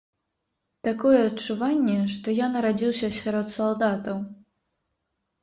Такое адчуванне, што я нарадзіўся сярод салдатаў.